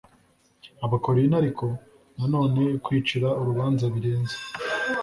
Abakorinto ariko nanone kwicira urubanza birenze